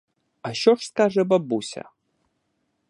А що ж скаже бабуся?